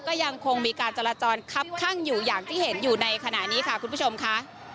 ก็ยังคงมีการจราจรคับข้างอยู่อย่างที่เห็นอยู่ในขณะนี้ค่ะคุณผู้ชมค่ะ